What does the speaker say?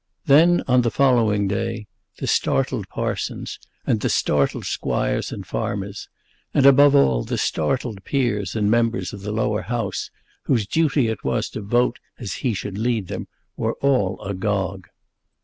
Then, on the following day, the startled parsons, and the startled squires and farmers, and, above all, the startled peers and members of the Lower House, whose duty it was to vote as he should lead them, were all agog.